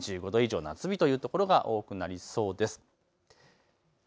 ２５度以上、夏日という所が多くなりそうです。